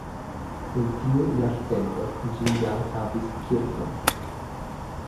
En tiu jarcento ĝi jam havis kirkon.